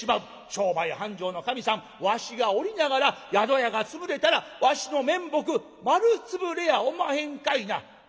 商売繁盛の神さんわしがおりながら宿屋が潰れたらわしの面目丸潰れやおまへんかいなあほ』と出ておりま」。